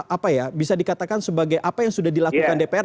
apa ya bisa dikatakan sebagai apa yang sudah dilakukan dpr